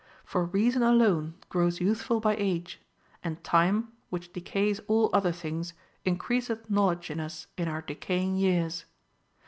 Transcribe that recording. For reason alone grows youthful by age ; and time,^ which decays all other things, increaseth knowledge in us in our decaying years.